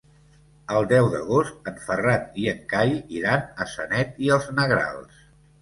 El deu d'agost en Ferran i en Cai iran a Sanet i els Negrals.